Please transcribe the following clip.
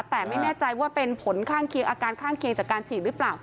แต่ไม่แน่ใจว่าเป็นผลข้างเคียงอาการข้างเคียงจากการฉีดหรือเปล่า